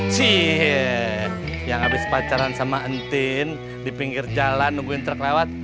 sih yang habis pacaran sama entin di pinggir jalan nungguin truk lewat